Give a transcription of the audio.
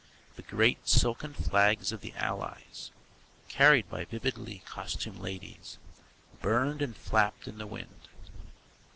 The great silken flags of the Allies, carried by vividly costumed ladies, burned and flapped in the wind.